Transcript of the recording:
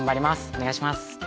お願いします！